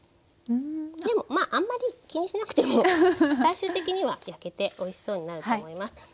でもまああんまり気にしなくても最終的には焼けておいしそうになると思います。